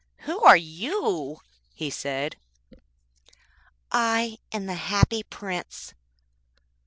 'Who are you?' he said. 'I am the Happy Prince.'